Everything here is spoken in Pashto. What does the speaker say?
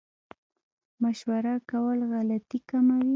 مشوره کول غلطي کموي